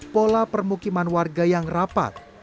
pola permukiman warga yang rapat